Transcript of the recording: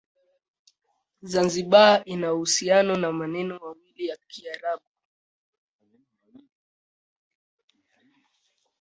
Zanzibar ina uhusiano na maneno mawili ya Kiarabu.